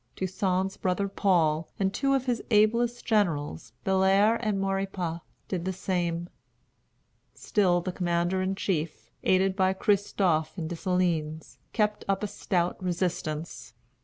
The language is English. Toussaint's brother Paul, and two of his ablest generals, Bellair and Maurepas, did the same. Still the Commander in Chief, aided by Christophe and Dessalines, kept up a stout resistance.